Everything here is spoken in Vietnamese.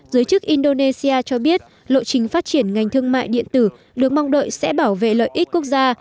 giới chức indonesia cho biết lộ trình phát triển ngành thương mại điện tử được mong đợi sẽ bảo vệ lợi ích quốc gia